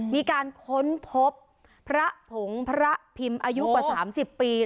มีการค้นพบพระผงพระพิมพ์อายุกว่า๓๐ปี